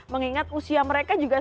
mengingat usia mereka juga